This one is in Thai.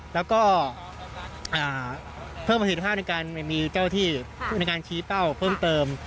แล้วก็เพิ่มประสิทธิภาพในการมีเจ้าที่ในการชี้เป้าเพิ่มเติม